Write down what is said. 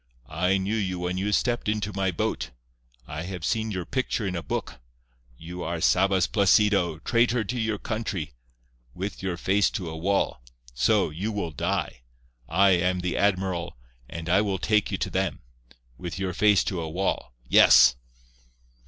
I knew you when you stepped into my boat. I have seen your picture in a book. You are Sabas Placido, traitor to your country. With your face to a wall. So, you will die. I am the admiral, and I will take you to them. With your face to a wall. Yes."